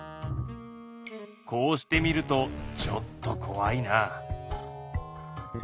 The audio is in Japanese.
こうして見るとちょっとこわいな。